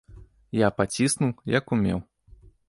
Я паціснуў, як умеў.